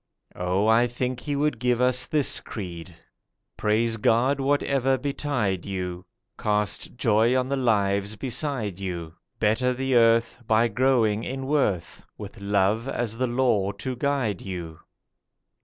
Oh, I think He would give us this creed: 'Praise God whatever betide you; Cast joy on the lives beside you; Better the earth, by growing in worth, With love as the law to guide you.